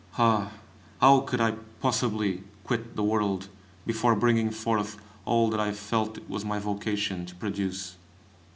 Ah! how could I possibly quit the world before bringing forth all that I felt it was my vocation to produce?